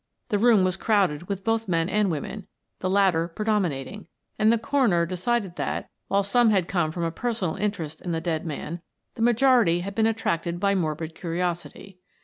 The room was crowded with both men and women, the latter predominating, and the coroner decided that, while some had come from a personal interest in the dead man, the majority had been attracted by morbid curiosity.